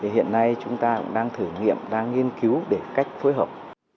hiện nay chúng ta cũng đang thử nghiệm đang nghiên cứu để cách phối hợp